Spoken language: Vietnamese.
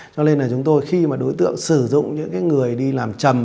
cho nên là chúng tôi khi mà đối tượng sử dụng những người đi làm trầm